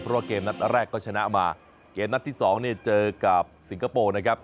เพราะว่าเกมนัดแรกก็ชนะมาเกมนัดที่สองเนี่ยเจอกับสิงคโปร์นะครับ